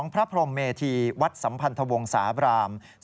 พระพรมเมธีวัดสัมพันธวงศาบราม